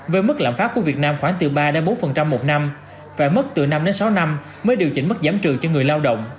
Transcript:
với mức lạm phát của việt nam khoảng từ ba bốn một năm phải mất từ năm sáu năm mới điều chỉnh mức giảm trừ cho người lao động